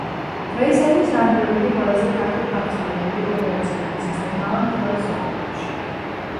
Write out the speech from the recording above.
დღეისათვის ანდროიდი ყველაზე ფართოდ გავრცელებული ოპერაციული სისტემაა მთელ მსოფლიოში.